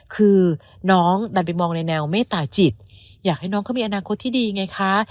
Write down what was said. คือน้องดันไปมองในแววเมตตาจิตอยากให้น้องเขามีอนาคตที่ดีไงคะ